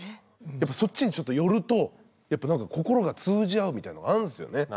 やっぱそっちにちょっと寄るとやっぱ何か心が通じ合うみたいなのがあるんですよね。